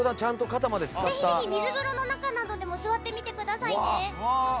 ぜひぜひ水風呂の中などでも座ってみてくださいね。